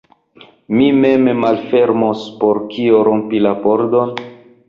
Mi mem malfermos, por kio rompi la pordon?